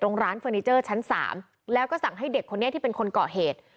ร้านเฟอร์นิเจอร์ชั้น๓แล้วก็สั่งให้เด็กคนนี้ที่เป็นคนก่อเหตุ